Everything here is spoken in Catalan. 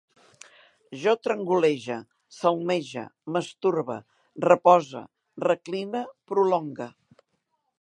Jo trangolege, salmege, masturbe, repose, recline, prolongue